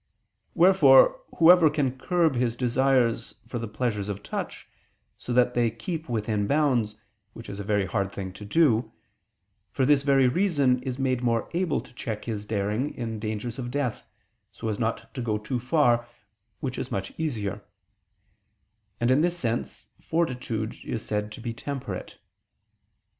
Wherefore whoever can curb his desires for the pleasures of touch, so that they keep within bounds, which is a very hard thing to do, for this very reason is more able to check his daring in dangers of death, so as not to go too far, which is much easier; and in this sense fortitude is said to be temperate.